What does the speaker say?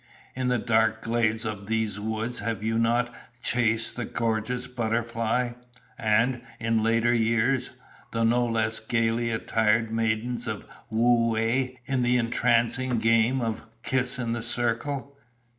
In the dark glades of these woods have you not chased the gorgeous butterfly, and, in later years, the no less gaily attired maidens of Wu whei in the entrancing game of Kiss in the Circle?